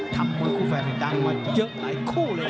ทำมวยคู่แฟนนังมาเยอะหลายคู่เลยครับ